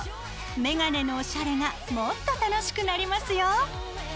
メガネのおしゃれがもっと楽しくなりますよ。